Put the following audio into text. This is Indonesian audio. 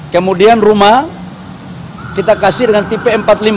kemudian rumah kita kasih dengan tipe empat puluh lima